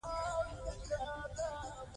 هغه له خپلې مېرمنې یاسمین سره چای خونو ته ځي.